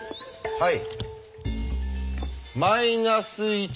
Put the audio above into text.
はい。